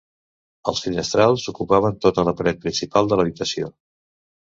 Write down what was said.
Els finestrals ocupaven tota la paret principal de l'habitació.